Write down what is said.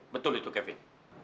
betul itu kevin